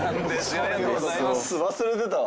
忘れてたわ。